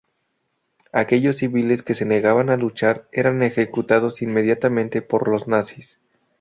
Aquellos civiles que se negaban a luchar eran ejecutados inmediatamente por los nazis.